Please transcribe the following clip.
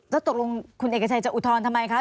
แล้วตกลงคุณเอกชัยจะอุทธรณ์ทำไมคะ